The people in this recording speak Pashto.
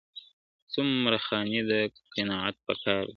څومره خا ني ده، قناعت په کار دئ